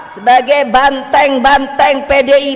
sebagai banteng banteng pdi